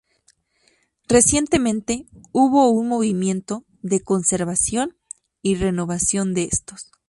Recientemente, hubo un movimiento de conservación y renovación de estos.